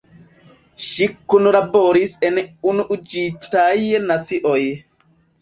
Ŝi kunlaboris en Unuiĝintaj Nacioj.